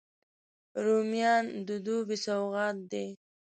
رومیان د دوبي سوغات دي